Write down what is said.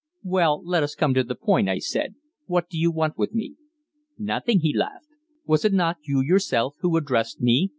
"Well, let us come to the point," I said. "What do you want with me?" "Nothing," he laughed. "Was it not you yourself who addressed me?"